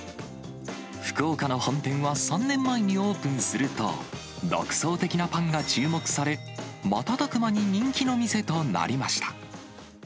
福岡の本店は３年前にオープンすると、独創的なパンが注目され、瞬く間に人気の店となりました。